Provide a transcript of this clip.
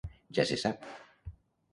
Ja se sap.